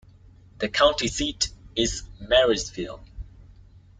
The county seat is Marysville.